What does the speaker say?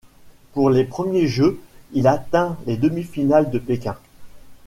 Pour ses premiers jeux, il atteint les demi-finales de Pékin.